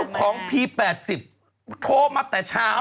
เจ้าของพี่๘๐โทรมาแต่เช้า